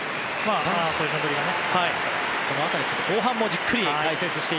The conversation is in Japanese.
ポジション取りがね。